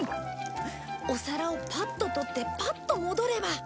お皿をパッと取ってパッと戻れば。